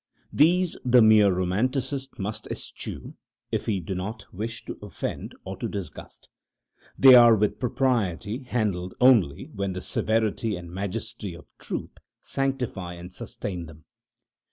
These the mere romanticist must eschew, if he do not wish to offend or to disgust. They are with propriety handled only when the severity and majesty of Truth sanctify and sustain them.